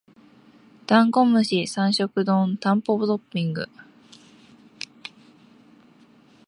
ダンゴムシ三食丼タンポポトッピング